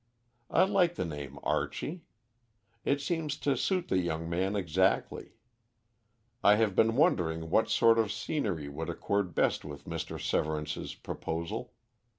"I like the name Archie. It seems to suit the young man exactly. I have been wondering what sort of scenery would accord best with Mr. Severance's proposal.